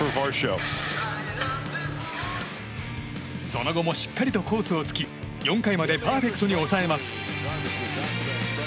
その後もしっかりとコースをつき４回までパーフェクトに抑えます。